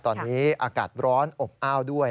ตอนนี้อากาศร้อนอบอ้าวด้วย